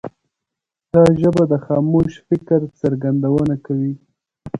دا ژبه د خاموش فکر څرګندونه کوي.